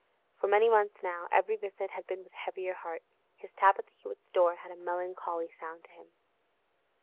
For many months now every visit had been with heavier heart; his tap at the Hewetts' door had a melancholy sound to him.